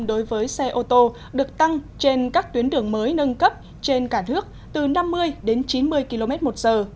đối với xe ô tô được tăng trên các tuyến đường mới nâng cấp trên cả nước từ năm mươi đến chín mươi km một giờ